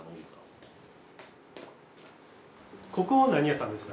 ここは何屋さんでした？